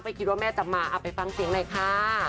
คิดว่าแม่จะมาเอาไปฟังเสียงหน่อยค่ะ